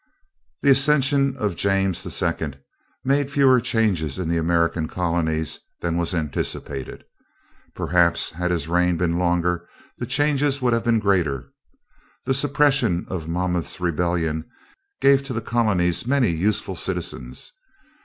The accession of James II. made fewer changes in the American colonies than was anticipated. Perhaps, had his reign been longer, the changes would have been greater. The suppression of Monmouth's rebellion gave to the colonies many useful citizens.